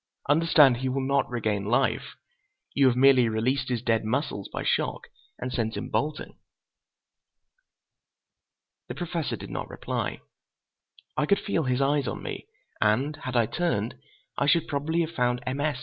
Understand, he will not regain life. You have merely released his dead muscles by shock, and sent him bolting." The Professor did not reply. I could feel his eyes on me, and had I turned, I should probably had found M. S.